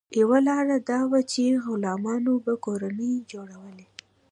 یوه لار دا وه چې غلامانو به کورنۍ جوړولې.